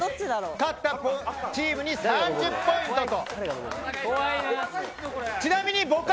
勝ったチームに３０ポイントと。